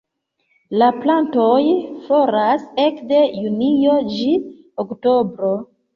La plantoj floras ekde junio ĝis oktobro.